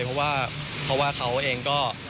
เพราะว่าเพราะว่าเขาเองก็